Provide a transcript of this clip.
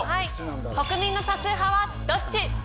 国民の多数派はどっち？